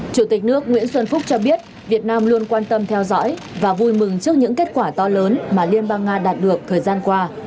chủ tịch nước nguyễn xuân phúc cho biết việt nam luôn quan tâm theo dõi và vui mừng trước những kết quả to lớn mà liên bang nga đạt được thời gian qua